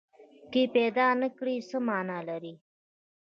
که یې پیدا نه کړي، څه معنی لري؟